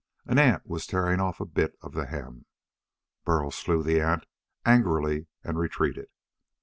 An ant was tearing off a bit of the hem. Burl slew the ant angrily and retreated.